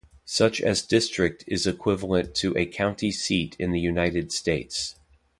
Such as district is equivalent to a county in the United States.